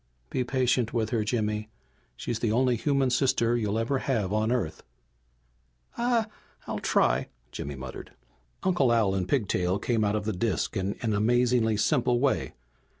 "Be patient with her, Jimmy. She's the only human sister you'll ever have on Earth." "I I'll try!" Jimmy muttered. Uncle Al and Pigtail came out of the disk in an amazingly simple way.